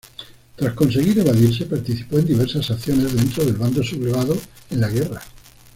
Tras conseguir evadirse, participó en diversas acciones dentro del bando sublevado en la guerra.